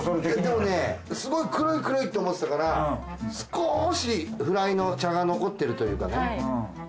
でもねすごい黒い黒いって思ってたから少しフライの茶が残ってるというかね。